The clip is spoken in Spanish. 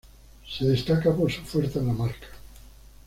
Se destaca por su fuerza en la marca.